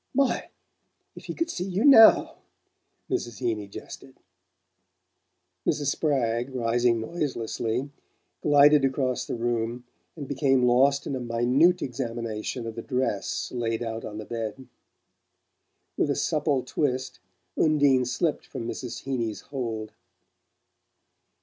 "My! If he could see you now!" Mrs. Heeny jested. Mrs. Spragg, rising noiselessly, glided across the room and became lost in a minute examination of the dress laid out on the bed. With a supple twist Undine slipped from Mrs. Heeny's hold.